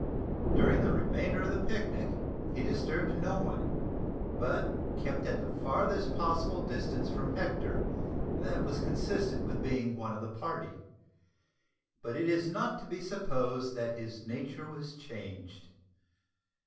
During the remainder of the picnic he disturbed no one, but kept at the farthest possible distance from Hector that was consistent with being one of the party. But it is not to be supposed that his nature was changed.